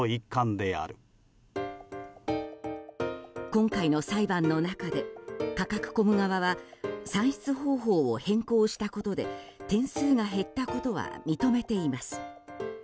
今回の裁判の中でカカクコム側は算出方法を変更したことで点数が減ったことは認めています。